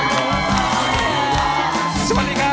ร้องด้ายหายล้าน